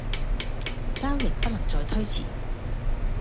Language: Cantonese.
交易不能再推遲